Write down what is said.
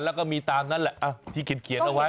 แล้วก็มีตามนั้นแหละที่เขียนเอาไว้